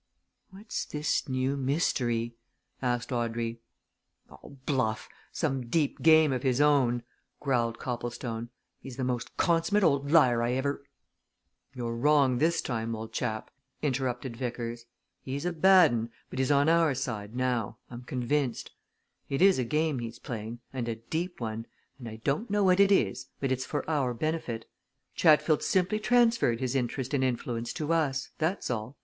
"What's this new mystery?" asked Audrey. "All bluff! some deep game of his own," growled Copplestone. "He's the most consummate old liar I ever " "You're wrong this time, old chap!" interrupted Vickers. "He's a bad 'un but he's on our side now I'm convinced. It is a game he's playing, and a deep one, and I don't know what it is, but it's for our benefit Chatfield's simply transferred his interest and influence to us that's all.